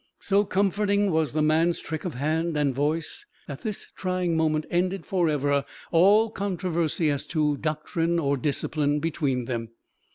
So comforting was the man's trick of hand and voice, that this trying moment ended forever all controversy as to doctrine or discipline between them.